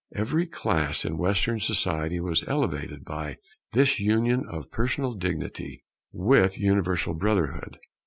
Every class in Western Society was elevated by this union of personal dignity with universal brotherhood.